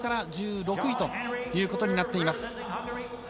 １６位ということになっています。